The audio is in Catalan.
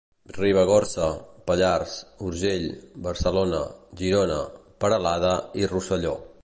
Ribagorça, Pallars, Urgell, Barcelona, Girona, Peralada i Rosselló.